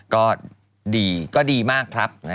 ก็ดีก็ดีมากครับ